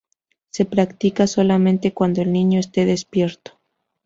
Se practica solamente cuando el niño este despierto.